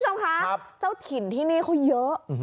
ทุกคนค่ะเจ้าถิ่นที่นี่เขาเยอะ